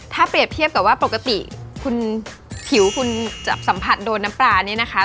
ถ้าเปรียบเทียบกับว่าปกติคุณผิวคุณจะสัมผัสโดนน้ำปลานี่นะคะ